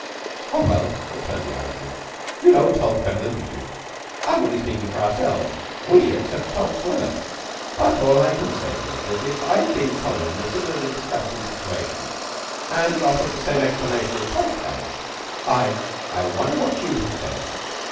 "Oh, well," returned the Irishman, "you know Tulke better than we do. I am only speaking for ourselves. We accept Tulke's word. But all I can say is that if I'd been collared in a similarly disgustin' situation, and had offered the same explanation Tulke has, I I wonder what you'd have said.